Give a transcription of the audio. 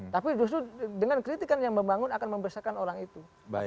tapi justru dengan kritikan yang membangun akan membesarkan orang itu